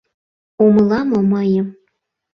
Умыла мо мыйым?»